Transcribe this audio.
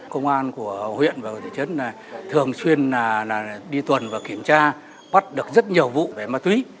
công an của huyện và thị trấn thường xuyên đi tuần và kiểm tra bắt được rất nhiều vụ về ma túy